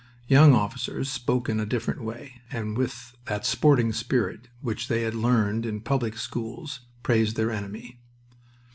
Young officers spoke in a different way, and with that sporting spirit which they had learned in public schools praised their enemy.